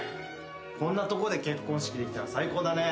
こんなとこで結婚式できたら最高だね。